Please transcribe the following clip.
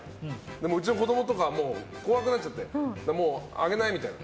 うちの子供とかは怖くなっちゃってもう、あげないみたいな。